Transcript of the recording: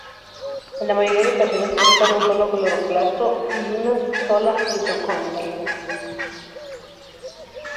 En la mayoría de ocasiones presentan un solo cloroplasto y una sola mitocondria.